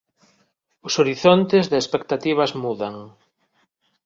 Os horizontes de expectativas mudan.